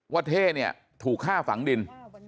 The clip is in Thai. เท่เนี่ยถูกฆ่าฝังดิน